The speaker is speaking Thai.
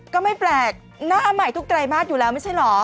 ก็ไม่แปลกหน้าใหม่ทุกไตรมาสอยู่แล้วไม่ใช่เหรอ